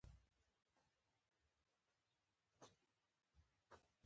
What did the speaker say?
يوه ورځ د کلیوالو غونډې ته وویل.